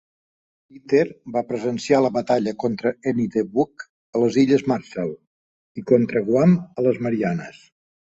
Sitter va presenciar la batalla contra Eniwetok a les illes Marshall, i contra Guam a les Marianes.